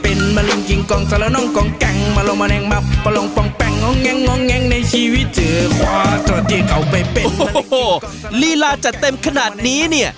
โอ้โหลีราจัดเต็มขนาดนี้เนี่ย